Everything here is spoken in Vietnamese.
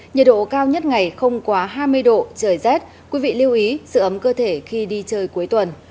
nhiệt độ cao nhất ngày không quá hai mươi độ trời rét quý vị lưu ý sự ấm cơ thể khi đi chơi cuối tuần